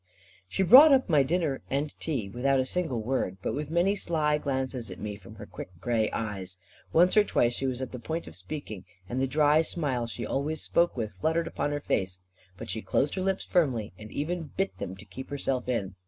She brought up my dinner and tea, without a single word, but with many sly glances at me from her quick grey eyes. Once or twice she was at the point of speaking, and the dry smile she always spoke with fluttered upon her face; but she closed her lips firmly and even bit them to keep herself in.